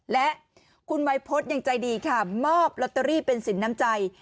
และคุณวัยพฤษยังใจดีค่ะมอบลอตเตอรี่เป็นสินน้ำใจ